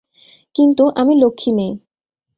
কিন্তু আমি লক্ষ্মী মেয়ে।